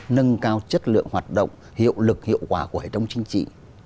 nâng cao chất lượng hoạt động hiệu lực hiệu quả của hệ thống chính trị